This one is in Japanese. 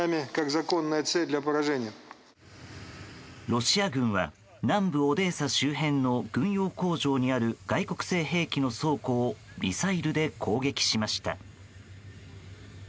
ロシア軍は南部オデーサ周辺の軍用工場にある外国製兵器の倉庫をミサイルで攻撃しました。